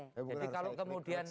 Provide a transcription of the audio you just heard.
jadi kalau kemudian